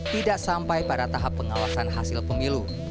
tidak sampai pada tahap pengawasan hasil pemilu